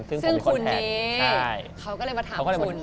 ซึ่งคุณนี้เขาก็เลยมาถามคุณ